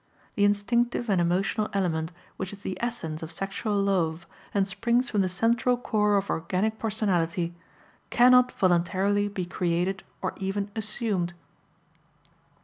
The instinctive and emotional element, which is the essence of sexual love and springs from the central core of organic personality, cannot voluntarily be created or even assumed.